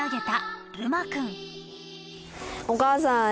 「お母さんへ」